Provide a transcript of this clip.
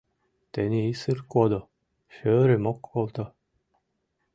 Тений исыр кодо, шӧрым ок волто.